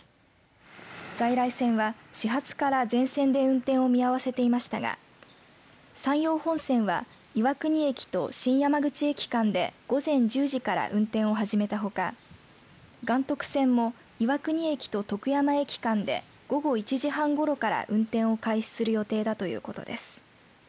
在来線は始発から全線で運転を見合わせていましたが山陽本線は岩国駅と新山口駅間で午前１０時から運転を始めたほか岩徳線も岩国駅と徳山駅間で午後１時半ごろから運転を開始する予定だということです。